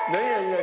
何？